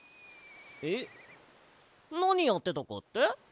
えっなにやってたかって？